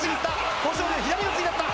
豊昇龍、左四つになった。